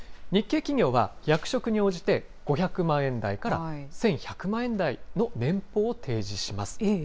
日系企業は役職に応じて５００万円台から１１００万円台の年俸を提示します。